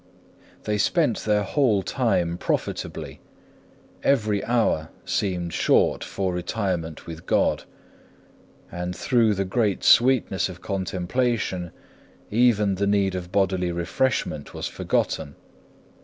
3. They spent their whole time profitably; every hour seemed short for retirement with God; and through the great sweetness of contemplation, even the need of bodily refreshment was forgotten.